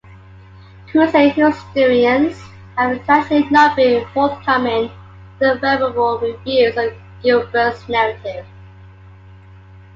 Crusade historians have traditionally not been forthcoming with favourable reviews of Guibert's narrative.